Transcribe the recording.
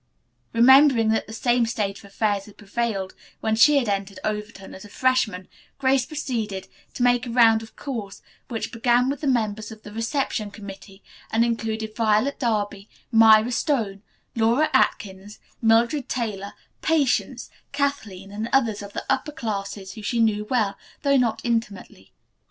Remembering that the same state of affairs had prevailed when she had entered Overton as a freshman, Grace proceeded to make a round of calls which began with the members of the reception committee, and included Violet Darby, Myra Stone, Laura Atkins, Mildred Taylor, Patience, Kathleen and others of the upper classes whom she knew well, though not intimately.